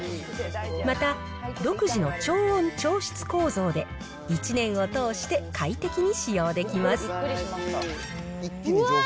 また、独自の調温調湿構造で、１年を通して快適に使用できます。